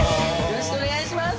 よろしくお願いします。